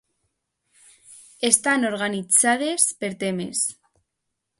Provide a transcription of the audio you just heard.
Estan organitzades per temes.